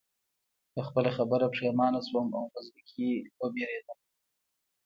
په خپله خبره پښېمانه شوم او په زړه کې ووېرېدم